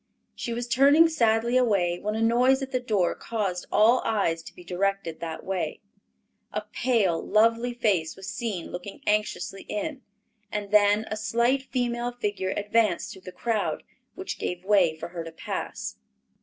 She was turning sadly away, when a noise at the door caused all eyes to be directed that way. A pale, lovely face was seen looking anxiously in, and then a slight female figure advanced through the crowd, which gave way for her to pass.